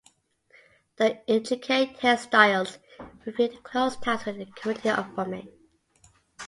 The intricate hairstyles reveal the close ties within a community of women.